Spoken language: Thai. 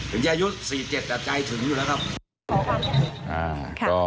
ถึงยายุทธ์๔๗แต่ใจถึงอยู่แล้วครับ